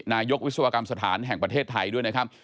นายกวิศวกรรมสถานแห่งประเทศไทยด้วยนะครับ